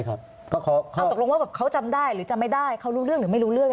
เขาตกลงว่าเขาจำได้หรือจำไม่ได้เขารู้เรื่องหรือไม่รู้เรื่อง